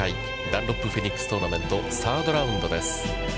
ダンロップフェニックストーナメントサードラウンドです。